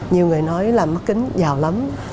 nhiều người nói là mắt kính giàu lắm